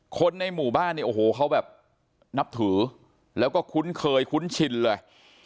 คนในหมู่บ้านเนี่ยโอ้โหเขาแบบนับถือแล้วก็คุ้นเคยคุ้นชินเลย